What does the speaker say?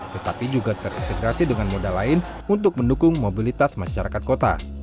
tetapi juga terintegrasi dengan moda lain untuk mendukung mobilitas masyarakat kota